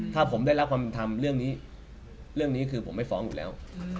ถ้าผมได้รับความทำเรื่องนี้เรื่องนี้คือผมไม่ฟ้องอยู่แล้ว